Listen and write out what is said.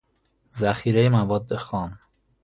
ذخیره مواد خام